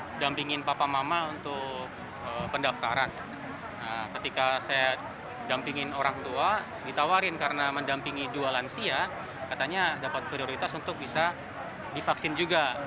saya mendampingin papa mama untuk pendaftaran ketika saya dampingin orang tua ditawarin karena mendampingi dua lansia katanya dapat prioritas untuk bisa divaksin juga